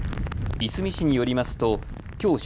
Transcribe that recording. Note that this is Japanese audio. いすみ市によりますときょう正